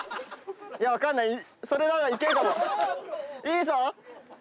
いいぞ！